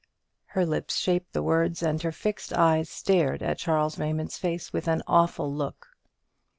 Her lips shaped the words, and her fixed eyes stared at Charles Raymond's face with an awful look.